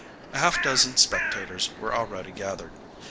A half dozen spectators were already gathered.